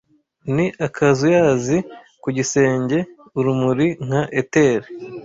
ni akazuyazi ku gisenge urumuri nka ether